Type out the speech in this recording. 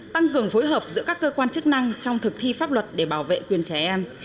tăng cường phối hợp giữa các cơ quan chức năng trong thực thi pháp luật để bảo vệ quyền trẻ em